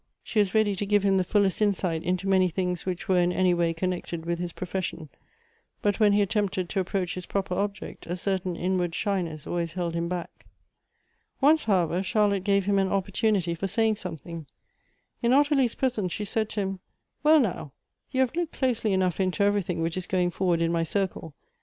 She was ready to give him the fullest insight into many things which were in any way connected with his profession ; but when he attempted to approach his proper object, a certain inward shyness always held him back. Once, however, Charlotte gave him an opportunity for saying something. In Ottilie's presence she said to him, " Well now, you have looked closely enough into every 224 Goethe's thing which is going forward in my circle.